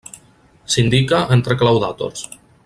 S'indica entre claudàtors.